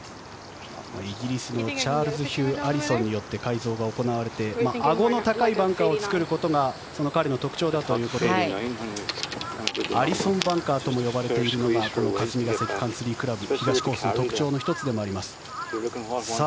イギリスのチャールズ・ヒュー・アリソンによって改造が行われてあごの高いバンカーを作ることが彼の特徴だということでアリソンバンカーとも呼ばれているのがこの霞ヶ関カンツリー倶楽部東コースの特徴の１つでもあります。